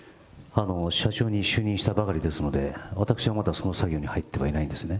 社長に就任したばかりですので、私はまだその作業には入ってはいないんですね。